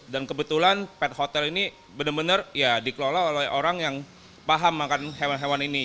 dan kebetulan pet hotel ini benar benar ya dikelola oleh orang yang paham makan hewan hewan ini